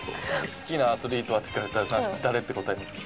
「好きなアスリートは？」って聞かれたら誰って答えますか？